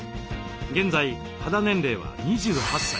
現在肌年齢は２８歳。